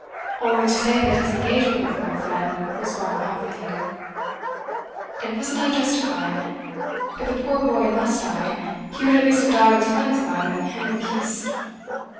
'Only to say that his engagement with Winifred was brought about by you.' 'And wasn't I justified? If the poor boy must die, he would at least have died with friends about him, and in peace.